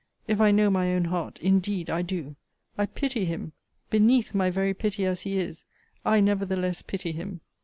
If I know my own heart, indeed I do! I pity him! beneath my very pity as he is, I nevertheless pity him!